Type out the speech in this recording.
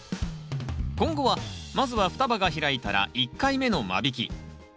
今後はまずは双葉が開いたら１回目の間引き。